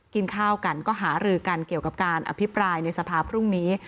กินข้าวกันก็หารือกันเกี่ยวกับการอภิปรายในสภาพรุ่งนี้